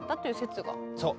そう。